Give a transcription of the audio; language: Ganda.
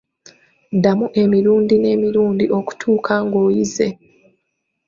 Ddamu emirundi n'emirundi okutuusa ng'oyize.